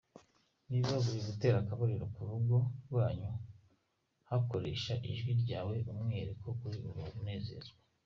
Niba muri gutera akabariro ku rugo rwanyu koresha ijwi ryawe umwereke ko uri kunezerwa.